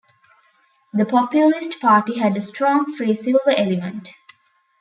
The Populist Party had a strong free-silver element.